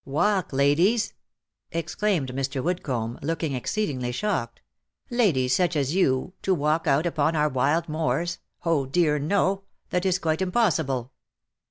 " Walk, ladies !" exclaimed Mr. Woodcomb, looking exceedingly shocked, " ladies such as you to walk out upon our wild moors? Oh dear no ! That is quite impossible